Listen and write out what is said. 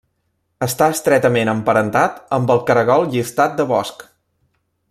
Està estretament emparentat amb el Caragol llistat de bosc.